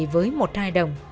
với một hai đồng